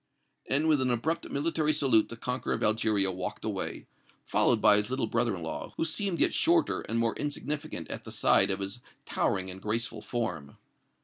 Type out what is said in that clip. And with an abrupt military salute the conqueror of Algeria walked away, followed by his little brother in law, who seemed yet shorter and more insignificant at the side of his towering and graceful form.